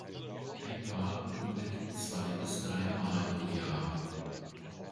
Ein Paar brütet zwei- bis dreimal pro Jahr.